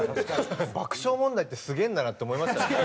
爆笑問題ってすげえんだなって思いましたね。